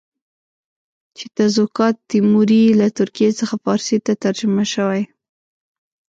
چې تزوکات تیموري له ترکي څخه فارسي ته ترجمه شوی.